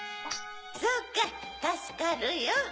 そうかいたすかるよ。